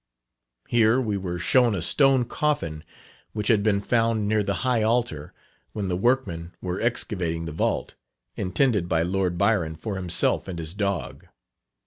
Here we were shown a stone coffin which had been found near the high altar, when the workmen were excavating the vault, intended by Lord Byron for himself and his dog.